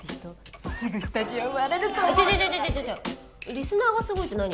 リスナーがすごいって何？